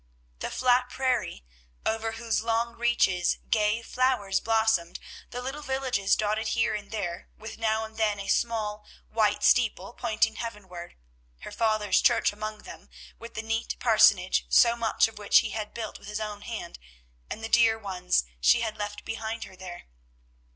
The flat prairie, over whose long reaches gay flowers blossomed, the little villages dotted here and there, with now and then a small, white steeple pointing heavenward, her father's church among them, with the neat parsonage, so much of which he had built with his own hand, and the dear ones she had left behind her there.